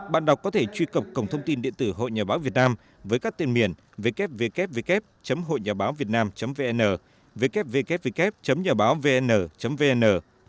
bạn đọc có thể truy cập cổng thông tin điện tử hội nhà báo việt nam với các tên miền www hộinhabáovietnam vn www nhabáovn vn